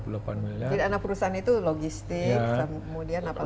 jadi anak perusahaan itu logistik kemudian apalagi